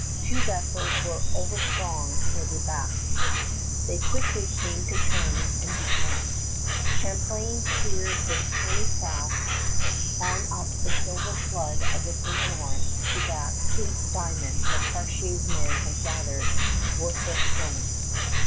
Two vessels were overstrong for the Basques. They quickly came to terms and decamped. Champlain steered his tiny craft on up the silver flood of the St. Lawrence to that Cape Diamond where Cartier's men had gathered worthless stones.